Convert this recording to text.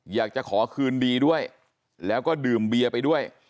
อยากจะขอคืนดีด้วยแล้วก็ดื่มเบียร์ไปด้วย